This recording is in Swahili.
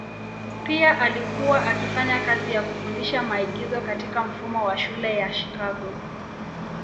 Pia alikuwa akifanya kazi ya kufundisha maigizo katika mfumo wa shule ya Chicago.